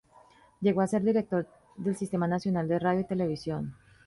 Llegó a ser director del Sistema Nacional de Radio y Televisión.